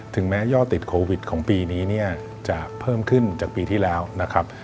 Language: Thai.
แม้ยอดติดโควิดของปีนี้เนี่ยจะเพิ่มขึ้นจากปีที่แล้วนะครับ